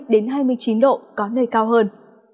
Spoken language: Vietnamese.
đến hai mươi chín độ có nơi cao hơn